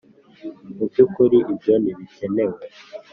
mubyukuri ibyo ntibikenewe.